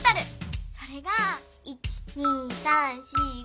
それが１・２・３・４・５。